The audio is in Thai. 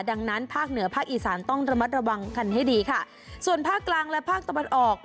ดังนั้นภาคเหนือภาคอีสานต้องระมัดระวังกันให้ดีค่ะส่วนภาคกลางและภาคตะวันออก